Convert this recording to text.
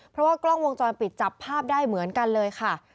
เพราะว่ากล้องวงจรปิดจับภาพได้เหมือนกันเลยค่ะ